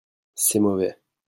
C'est mauvais.